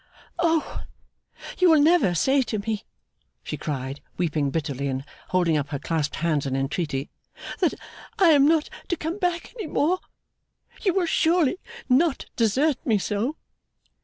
'O! you will never say to me,' she cried, weeping bitterly, and holding up her clasped hands in entreaty, 'that I am not to come back any more! You will surely not desert me so!